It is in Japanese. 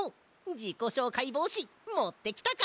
じこしょうかいぼうしもってきたか？